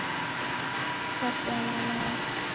Kakuana nao